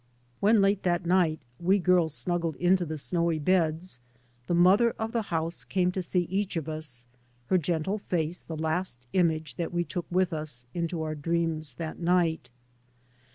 When late that night we girls snug gled into the snowy beds the mother of the house came to see each of us, Her gentle £ace the last image that we took with us into our dreams that night.